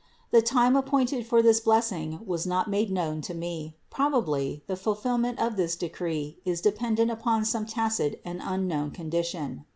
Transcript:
The time appointed for this blessing was not made known to me; probably, the ful fillment of this decree is dependent upon some tacit and unknown condition